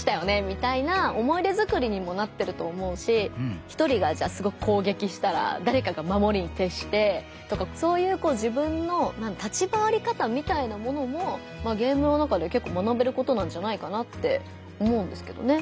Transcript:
みたいな思い出づくりにもなってると思うし１人がじゃあすごく攻撃したらだれかがまもりにてっしてとかそういうこう自分の立ち回り方みたいなものもゲームの中で結構学べることなんじゃないかなって思うんですけどね。